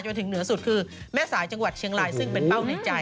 ถึงเหนือสุดคือแม่สายจังหวัดเชียงรายซึ่งเป็นเป้าในใจ